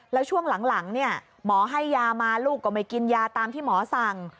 แล้วช่วงหลังหมอให้ยามาลูกก็ไม่กินยาตามที่หมอสั่ง